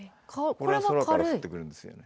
これは空から降ってくるんですよね。